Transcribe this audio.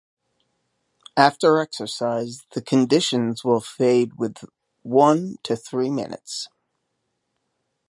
After exercise, the conditions will fade within one to three minutes.